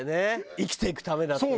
生きていくためだっていう。